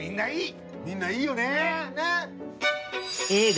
みんないいよねねっ。